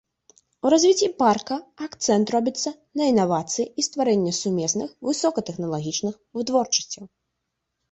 У развіцці парка акцэнт робіцца на інавацыі і стварэнне сумесных высокатэхналагічных вытворчасцяў.